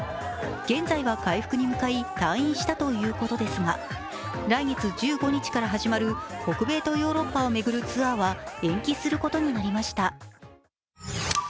現在は回復に向かい、退院したということですが来月１５日から始まる北米とヨーロッパを巡るツアーは延期することになりました。